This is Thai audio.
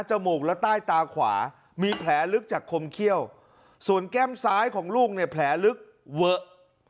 มูกและใต้ตาขวามีแผลลึกจากคมเขี้ยวส่วนแก้มซ้ายของลูกเนี่ยแผลลึกเวอะ